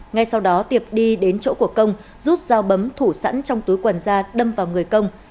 ngay sau đó tiệp đi đến chỗ của công rút dao bấm thủ sẵn trong túi quần ra đâm vào người công